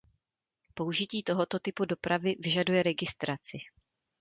Použití tohoto typu dopravy vyžaduje registraci.